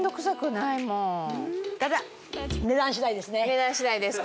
値段次第です